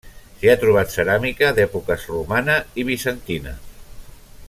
S'hi ha trobat ceràmica d'èpoques romana i bizantina.